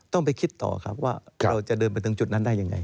ต้องไปคิดต่อครับว่าเราจะเดินไปถึงจุดนั้นได้ยังไง